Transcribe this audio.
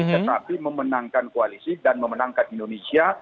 tetapi memenangkan koalisi dan memenangkan indonesia